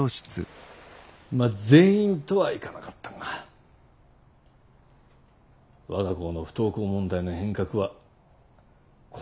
まっ全員とはいかなかったが我が校の不登校問題の変革はこの２学期からだよ。